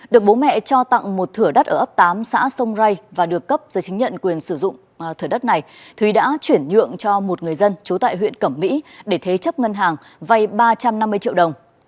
được bố mẹ cho tặng một thửa đất ở ấp tám xã sông ray và được cấp giấy chứng nhận quyền sử dụng thửa đất này thúy đã chuyển nhượng cho một người dân trú tại huyện cẩm mỹ để thế chấp ngân hàng vay ba trăm năm mươi triệu đồng